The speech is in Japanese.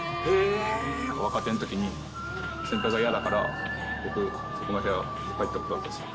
若手のときに、先輩が嫌だから、僕、そこの部屋入ったことあるんですよ。